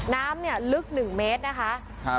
น้ำเนี่ยลึก๑เมตรนะคะ